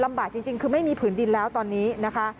จริงคือไม่มีผืนดินแล้วตอนนี้นะคะ